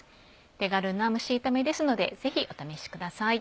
手軽な蒸し炒めですのでぜひお試しください。